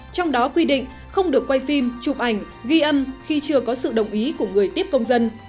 trong đó quy định không được quay phim chụp ảnh ghi âm khi chưa có sự đồng ý của người tiếp công dân